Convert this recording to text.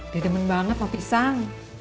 udah demen banget mau pisang